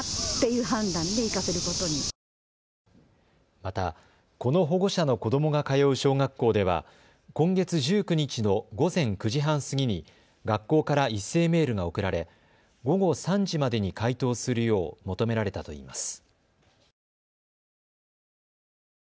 また、この保護者の子どもが通う小学校では今月１９日の午前９時半過ぎに学校から一斉メールが送られ午後３時までに回答するよう求められたといいます。